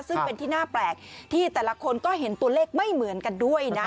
ซึ่งเป็นที่น่าแปลกที่แต่ละคนก็เห็นตัวเลขไม่เหมือนกันด้วยนะ